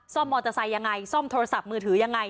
มอเตอร์ไซค์ยังไงซ่อมโทรศัพท์มือถือยังไง